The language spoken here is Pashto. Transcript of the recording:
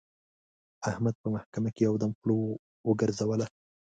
احمد په محکمه کې یو دم خوله وګرځوله.